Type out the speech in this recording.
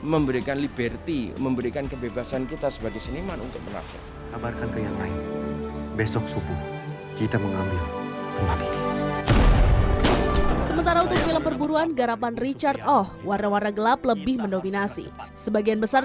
memberikan liberty memberikan kebebasan kita sebagai seniman untuk berhasil